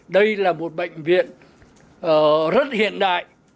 đây là một bệnh viện rất hiện đại